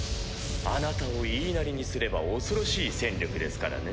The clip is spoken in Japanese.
あなたを言いなりにすれば恐ろしい戦力ですからね。